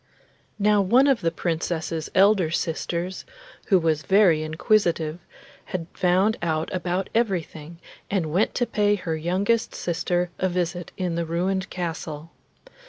Now one of the Princess's elder sisters, who was very inquisitive, had found out about everything, and went to pay her youngest sister a visit in the ruined castle.